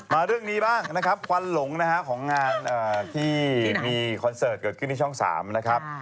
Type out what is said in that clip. เรื่องนี้บ้างนะครับควันหลงนะฮะของงานที่มีคอนเสิร์ตเกิดขึ้นที่ช่อง๓นะครับ